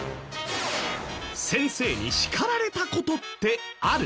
先生に叱られた事ってある？